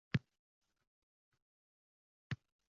Men boshi berk ko’chadagi eshiklari qulf